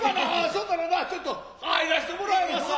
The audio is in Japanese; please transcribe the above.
そんならな一寸這入らしてもらいますわ。